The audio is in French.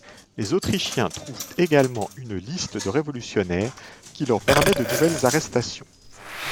Les autrichiens trouvent également une liste de révolutionnaires qui leur permet de nouvelles arrestations.